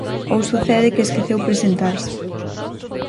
Ou sucede que esqueceu presentarse.